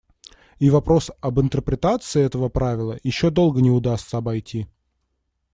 И вопрос об интерпретации этого правила еще долго не удастся обойти;.